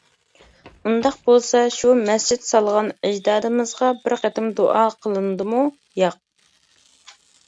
ئۇنداق بولسا شۇ مەسچىت سالغان ئەجدادىمىزغا بىر قېتىم دۇئا قىلىندىمۇ؟ ياق.